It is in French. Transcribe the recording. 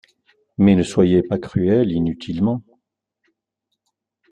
Mais ne soyez pas cruel inutilement!...